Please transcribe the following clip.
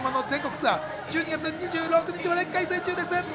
ツアー１２月２６日まで開催中です。